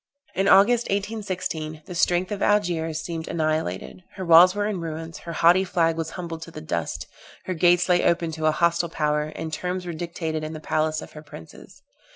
In August, 1816, the strength of Algiers seemed annihilated; her walls were in ruins, her haughty flag was humbled to the dust; her gates lay open to a hostile power, and terms were dictated in the palace of her princes.